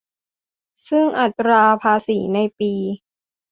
ซึ่งอัตราภาษีในปี